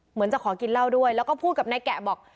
เหมือนจะขอกินเหล้าด้วยแล้วก็พูดกับนายแกะบอก